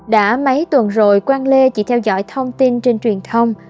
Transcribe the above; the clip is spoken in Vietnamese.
đã mấy tuần rồi quang lê chỉ theo dõi thông tin trên truyền thông